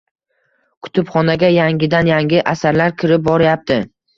Kutubxonaga yangidan-yangi asarlar kirib boryapti.